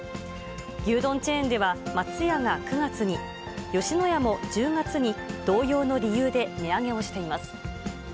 牛丼チェーンでは、松屋が９月に、吉野家も１０月に、同様の理由で値上げをしています。